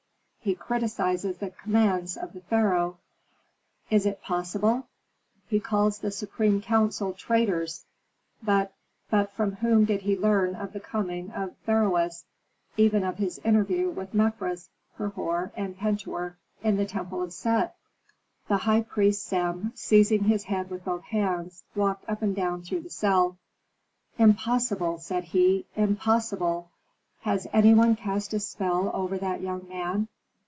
"He criticises the commands of the pharaoh." "Is it possible?" "He calls the supreme council traitors." "But " "But from whom did he learn of the coming of Beroes, even of his interview with Mefres, Herhor, and Pentuer, in the temple of Set?" The high priest Sem, seizing his head with both hands, walked up and down through the cell. "Impossible!" said he. "Impossible! Has any one cast a spell over that young man?